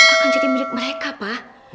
akan jadi milik mereka pak